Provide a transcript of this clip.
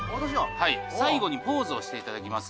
はい最後にポーズをしていただきます。